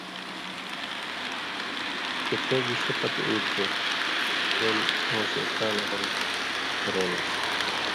چے تے گِشے پتہۡ اِیلیۡ چے مارېل موݜے کان٘ڑئ غرُٹ کرے لان٘س۔